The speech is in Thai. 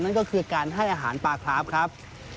นั่นก็คือการให้อาหารปลาคราฟครับ